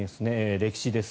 歴史です。